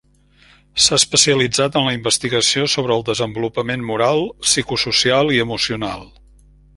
S'ha especialitzat en la investigació sobre el desenvolupament moral, psicosocial i emocional.